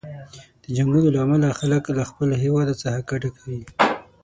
د جنګونو له امله خلک له خپل هیواد څخه کډه کوي.